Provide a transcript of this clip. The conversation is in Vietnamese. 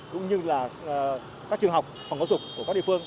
cũng như là các trường học phòng giáo dục của các địa phương